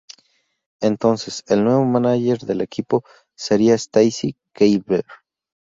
Entonces, el nuevo mánager del equipo sería Stacy Keibler.